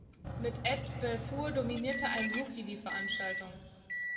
Mit Ed Belfour dominierte ein Rookie die Veranstaltung.